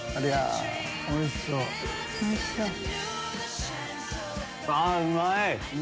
あうまい！